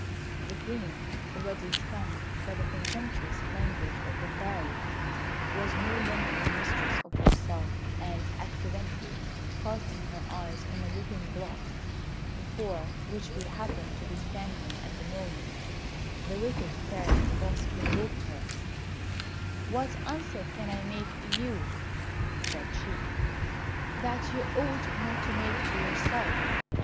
The Queen, already stung by the contemptuous language of the Fairy, was no longer mistress of herself, and accidentally casting her eyes on a looking glass, before which we happened to be standing at the moment, the wicked Fairy thus provoked her: "What answer can I make you," said she, "that you ought not to make to yourself?